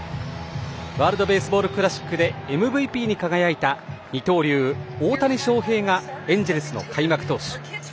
ワールド・ベースボール・クラシックでＭＶＰに輝いたエンジェルスの大谷選手。